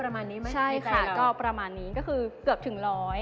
ไม่ใช่ค่ะก็ประมาณนี้ก็คือเกือบถึงร้อย